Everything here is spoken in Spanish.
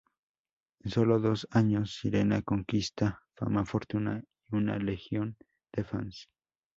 En sólo dos años, Sirena conquista fama, fortuna y una legión de fans.